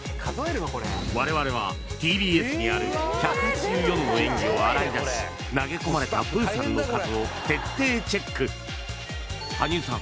我々はＴＢＳにある１８４の演技を洗い出し投げ込まれたプーさんの数を徹底チェック羽生さん